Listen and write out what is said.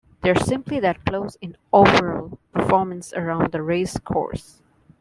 They are simply that close in overall performance around the race course.